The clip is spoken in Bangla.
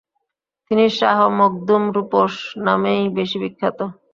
তিনি শাহ মখদুম রূপোশ নামেই বেশী বিখ্যাত।